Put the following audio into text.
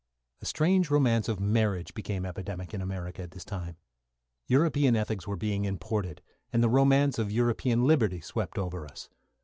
A strange romance of marriage became epidemic in America at this time. European ethics were being imported, and the romance of European liberty swept over us.